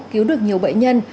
cứu được nhiều bệnh nhân